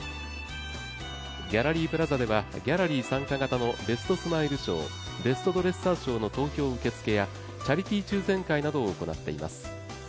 ギャラリープラザでは、ギャラリー参加型のベストスマイル賞ベストドレッサー賞の投票受付やチャリティー抽選会などを行っています。